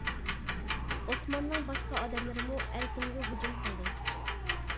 ئوسماننىڭ باشقا ئادەملىرىمۇ ئەركىنگە ھۇجۇم قىلدى.